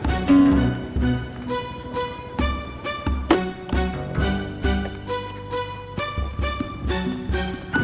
untuk menangani ada yang melepaskannya